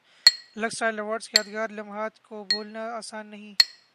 looks style award یادگار لمحات کو بھولنا اسان نہیں